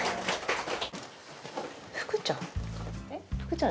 福ちゃん？